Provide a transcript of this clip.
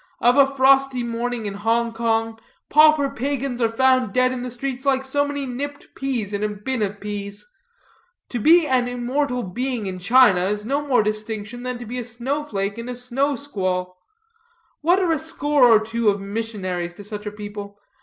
Of a frosty morning in Hong Kong, pauper pagans are found dead in the streets like so many nipped peas in a bin of peas. To be an immortal being in China is no more distinction than to be a snow flake in a snow squall. What are a score or two of missionaries to such a people?